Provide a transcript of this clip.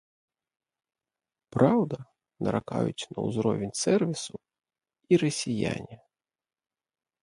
Праўда, наракаюць на ўзровень сэрвісу і расіяне.